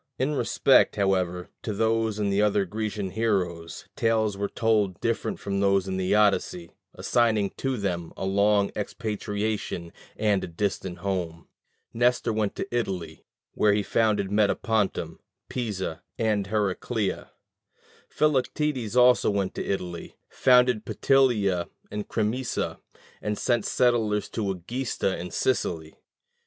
In respect, however, to these and other Grecian heroes, tales were told different from those in the Odyssey, assigning to them a long expatriation and a distant home. Nestor went to Italy, where he founded Metapontum, Pisa, and Heracleia: Philoctetes also went to Italy, founded Petilia and Crimisa, and sent settlers to Egesta in Sicily.